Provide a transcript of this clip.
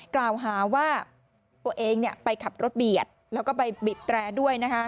กล่าวหาว่าตัวเองไปขับรถเบียดแล้วก็ไปบีบแตรด้วย